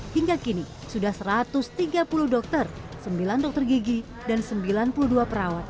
hingga kini sudah satu ratus tiga puluh dokter sembilan dokter gigi dan sembilan puluh dua perawat